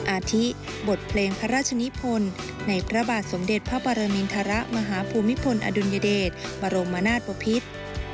อาทิบทเพลงพระราชนิพลในพระบาทสมเด็จพระปรมินทรมาฮภูมิพลอดุลยเดชบรมนาศปภิษ